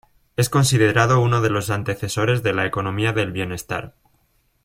Es considerado uno de los antecesores de la economía del bienestar.